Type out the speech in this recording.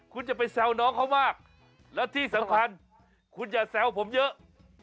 คุณจะไปแซวน้องเขามากแล้วที่สำคัญคุณอย่าแซวผมเยอะ